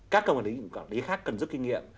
các công ty khác cần giúp kinh nghiệm